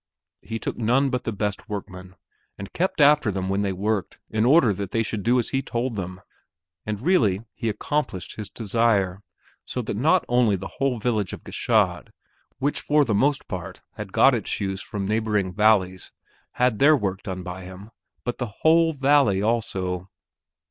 He took none but the best workmen and kept after them when they worked in order that they should do as he told them. And really, he accomplished his desire, so that not only the whole village of Gschaid, which for the most part had got its shoes from neighboring valleys, had their work done by him, but the whole valley also.